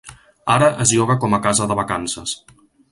Ara es lloga com a casa de vacances.